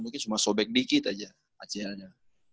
mungkin cuma sobek dikit aja acl nya